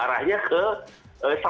arahnya ke seluruh negara